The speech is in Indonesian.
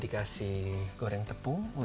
dikasih goreng tepung